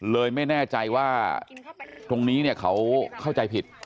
เลยไม่แน่ใจว่าตรงนี้เนี่ยเขาเข้าใจผิด